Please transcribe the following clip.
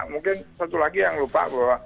mungkin satu lagi yang lupa bahwa